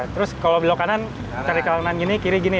terus kalau belok kanan tarik ke kanan gini kiri gini ya